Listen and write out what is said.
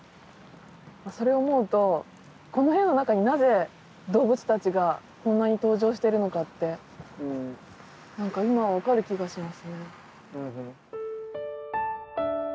それを思うとこの絵の中になぜ動物たちがこんなに登場しているのかって何か今分かる気がしますね。